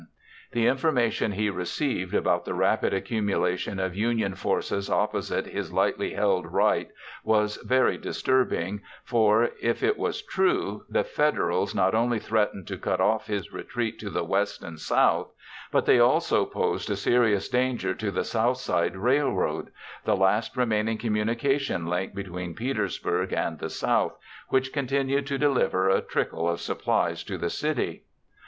The information he received about the rapid accumulation of Union forces opposite his lightly held right was very disturbing, for, if it was true, the Federals not only threatened to cut off his retreat to the west and south, but they also posed a serious danger to the Southside Railroad—the last remaining communication link between Petersburg and the South, which continued to deliver a trickle of supplies to the city.